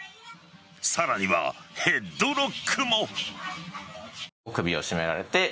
さらにはヘッドロックも。